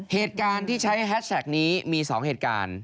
เหตุการณ์ที่ใช้แฮชแท็กนี้มี๒เหตุการณ์